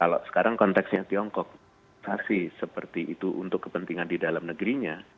kalau sekarang konteksnya tiongkok pasti seperti itu untuk kepentingan di dalam negerinya